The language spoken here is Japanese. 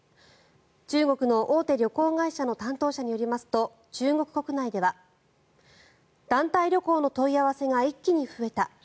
中国の大手旅行会社の担当者によりますと中国国内では団体旅行の問い合わせが一気に増えた